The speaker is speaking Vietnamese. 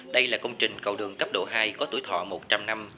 đây là công trình cầu đường cấp độ hai có tuổi thọ một trăm linh năm